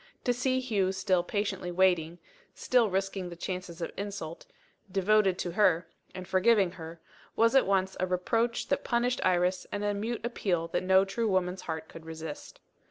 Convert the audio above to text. To see Hugh still patiently waiting still risking the chances of insult devoted to her, and forgiving her was at once a reproach that punished Iris, and a mute appeal that no true woman's heart could resist.